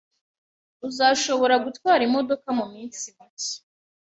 Uzashobora gutwara imodoka muminsi mike.